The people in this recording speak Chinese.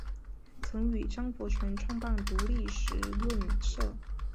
曾与张佛泉创办独立时论社。